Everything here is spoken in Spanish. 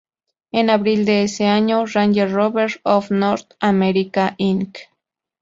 En abril de ese año, Range Rover of North America Inc.